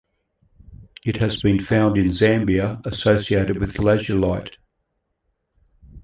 It has been found in Zambia associated with lazulite.